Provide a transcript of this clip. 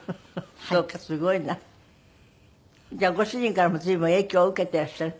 じゃあご主人からも随分影響を受けてらっしゃる？